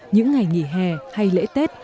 những ngày nghỉ hè hay lễ tết